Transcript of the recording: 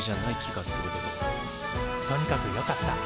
とにかくよかった。